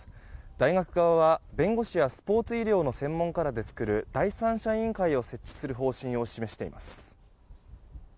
大学側は弁護士やスポーツ医療の専門家らで作る第三者委員会を設置する方針を示しています。